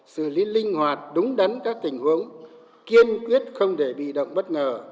xử lý linh hoạt đúng đắn các tình huống kiên quyết không để bị động bất ngờ